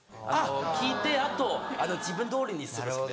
聞いてあと自分どおりにする。